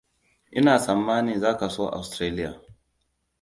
Ina tsammanin zaka so Australia.